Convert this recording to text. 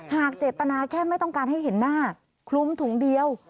เจตนาแค่ไม่ต้องการให้เห็นหน้าคลุมถุงเดียว